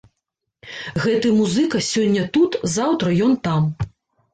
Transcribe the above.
Гэты музыка сёння тут, заўтра ён там.